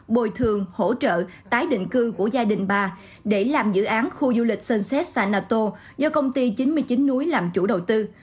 bồi thường hỗ trợ tái định cư của gia đình bà để làm dự án khu du lịch sơn nato do công ty chín mươi chín núi làm chủ đầu tư